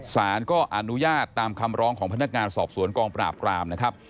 ศาลก็อนุญาตตามคำร้องของพนักงานสอบสวนกองประหลาบกราม